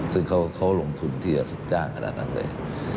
ซึ่งเขาลงทุนที่จะจ้างขนาดนั้นเลย